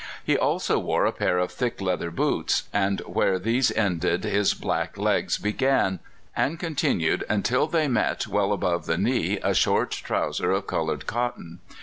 He also wore a pair of thick leather boots, and where these ended his black legs began, and continued until they met well above the knee a short trouser of coloured cotton.